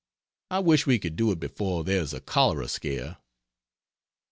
I wish we could do it before there is a cholera scare.